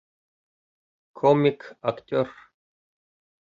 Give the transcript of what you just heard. Комик актер